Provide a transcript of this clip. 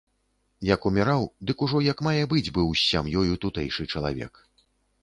Як уміраў, дык ужо як мае быць быў з сям'ёю тутэйшы чалавек.